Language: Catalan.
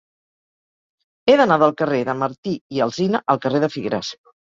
He d'anar del carrer de Martí i Alsina al carrer de Figueres.